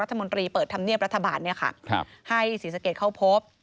รัฐมนตรีเปิดธรรมเนียบรัฐบาลให้ศรีสะเกดเข้าพบ